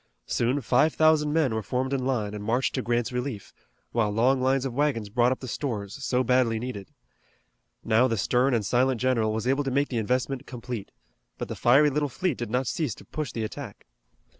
Soon five thousand men were formed in line and marched to Grant's relief, while long lines of wagons brought up the stores so badly needed. Now the stern and silent general was able to make the investment complete, but the fiery little fleet did not cease to push the attack.